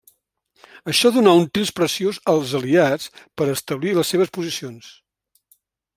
Això donà un temps preciós als aliats per a establir les seves posicions.